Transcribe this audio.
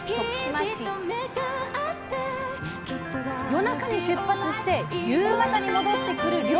夜中に出発して夕方に戻ってくる漁。